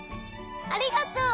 ありがとう！